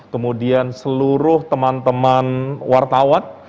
kemudian seluruh teman teman wartawan